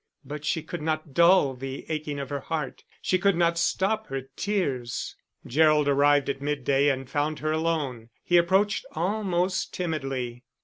But she could not dull the aching of her heart, she could not stop her tears. Gerald arrived at midday and found her alone. He approached almost timidly.